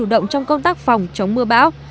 để chủ động trong công tác phòng chống mưa bão